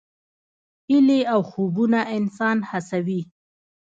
هیلې او خوبونه انسان هڅوي.